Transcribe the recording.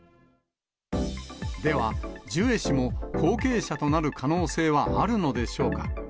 では、ジュエ氏も後継者となる可能性はあるのでしょうか。